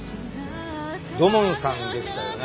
土門さんでしたよね？